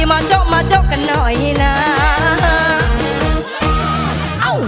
มาโจ๊ะมาโจ๊ะกันหน่อยน่ะอ้าว